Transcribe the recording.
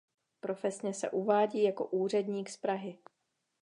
Profesně se uvádí jako úředník z Prahy.